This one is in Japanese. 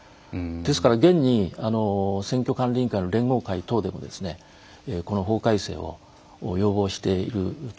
ですから現に選挙管理委員会の連合会等でもこの法改正を要望しているところです。